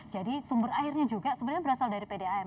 jadi sumber airnya juga sebenarnya berasal dari pdam